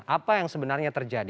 apa yang sebenarnya terjadi